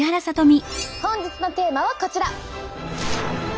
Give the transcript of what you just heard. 本日のテーマはこちら。